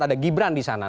ada gibran di sana